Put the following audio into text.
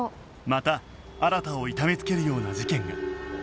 また新を痛め付けるような事件が